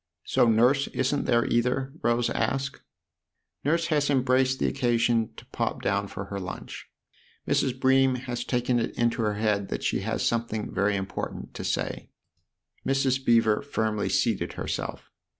" So Nurse isn't there either ?" Rose asked. " Nurse has embraced the occasion to pop down for her lunch. Mrs. Bream has taken it into her THE OTHER HOUSE 2$ head that she has something very important to say." Mrs. Beever firmly seated herself.